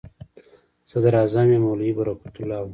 صدراعظم یې مولوي برکت الله و.